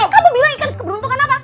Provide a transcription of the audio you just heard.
kamu bilang ikan keberuntungan apa